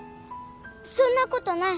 そんなことない